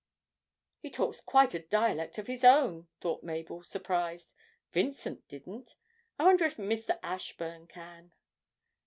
'He talks quite a dialect of his own,' thought Mabel surprised. 'Vincent didn't. I wonder if Mr. Ashburn can.'